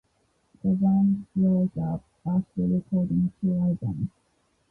The band broke up after recording two albums.